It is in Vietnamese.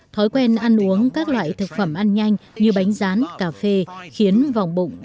thói quen ăn uống các loại thực phẩm ăn nhanh như bánh rán cà phê khiến vòng bụng